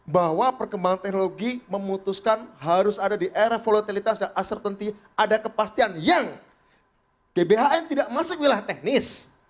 bahwa perkembangan teknologi memutuskan harus ada di era volatilitas dan uncertainty ada kepastian yang gbhn tidak masuk wilayah teknis